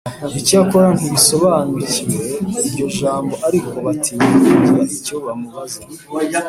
Icyakora ntibasobanukiwe iryo jambo ariko batinya kugira icyo bamubaza